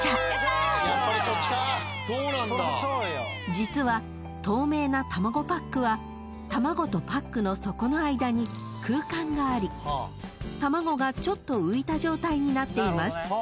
［実は透明なたまごパックは卵とパックの底の間に空間があり卵がちょっと浮いた状態になっています］